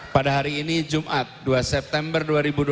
pada hari ini jumat dua september dua ribu dua puluh